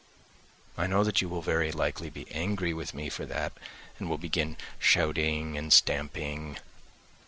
I know that you will very likely be angry with me for that, and will begin shouting and stamping.